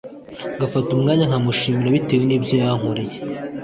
Ngafata umwanya nkamushimira bitewe nibyo yankoreye